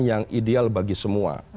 yang ideal bagi semua